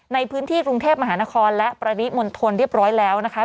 ในพื้นที่กรุงเทพมหานครและปริมณฑลเรียบร้อยแล้วนะคะ